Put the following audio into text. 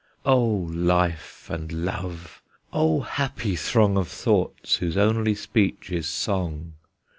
O Life and Love! O happy throng Of thoughts, whose only speech is song!